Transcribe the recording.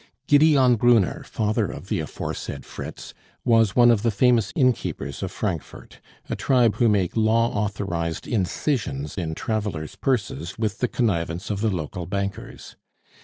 Gideon Brunner, father of the aforesaid Fritz, was one of the famous innkeepers of Frankfort, a tribe who make law authorized incisions in travelers' purses with the connivance of the local bankers.